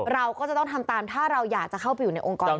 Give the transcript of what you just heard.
เราก็จะต้องทำตามถ้าเราอยากจะเข้าไปอยู่ในองค์กร